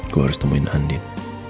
gue harus temuin andin